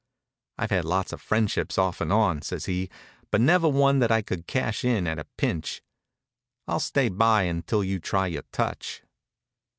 "I've had lots of friendships, off and on," says he, "but never one that I could cash in at a pinch. I'll stay by until you try your touch."